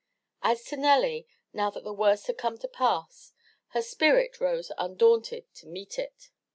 As to Nelly, now that the worst had come to pass, her spirit rose undaunted to meet it.